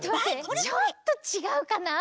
ちょっとちがうかな。